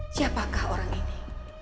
siapakah orang ini